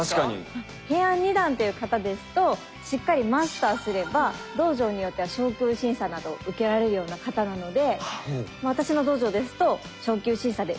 平安二段っていう形ですとしっかりマスターすれば道場によっては昇級審査などを受けられるような形なので私の道場ですと昇級審査で受かれば黄色帯とか。